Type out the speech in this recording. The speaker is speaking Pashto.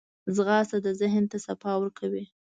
ځغاسته د ذهن ته صفا ورکوي